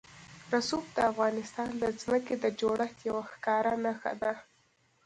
رسوب د افغانستان د ځمکې د جوړښت یوه ښکاره نښه ده.